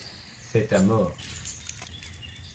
C’est ta mort !